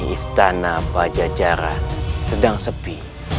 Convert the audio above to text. istana pajajaran sedang sepi